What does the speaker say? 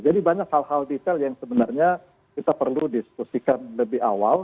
jadi banyak hal hal detail yang sebenarnya kita perlu diskusikan lebih awal